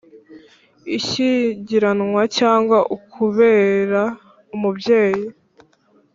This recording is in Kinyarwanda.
ishyingiranwa cyangwa ukubera umubyeyi